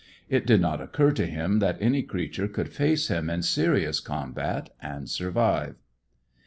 It did not occur to him that any creature could face him in serious combat and survive.